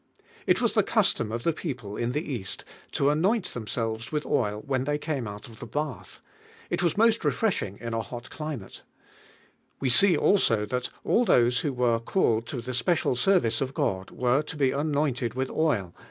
ft was i In custom of the people iu the Kasl i ii annin! I heniso] \rs with nil yv hen they came mit of I he bath; it was most refreshing in a lint climate. We see also thai all those who were called to tbe special service of God were to be anointed with nil.